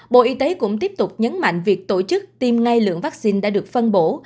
bộ y tế cũng tiếp tục nhấn mạnh việc tổ chức tiêm ngay lượng vaccine đã được phân bổ